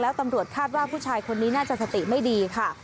แล้วตำรวจคาดว่าผู้ชายคนนี้น่าจะสติไม่ดีค่ะ